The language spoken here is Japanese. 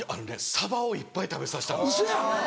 サバをいっぱい食べさせたんですよ。